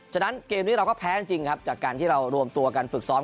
ฉะนั้นเกมนี้เราก็แพ้จริงครับจากการที่เรารวมตัวกันฝึกซ้อม